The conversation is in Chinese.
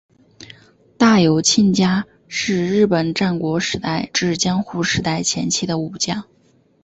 大友亲家是日本战国时代至江户时代前期的武将。